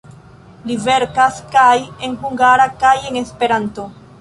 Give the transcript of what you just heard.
Li verkas kaj en hungara kaj en Esperanto.